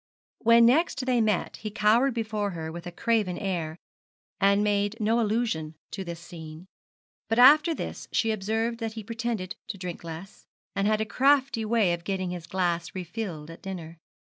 When next they met he cowed before her with a craven air, and made no allusion to this scene. But after this she observed that he pretended to drink less, and had a crafty way of getting his glass refilled at dinner.